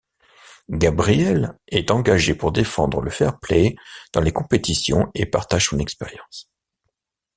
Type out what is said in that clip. Gabrielle est engagée pour défendre le fair-play dans les compétitions et partage son expérience.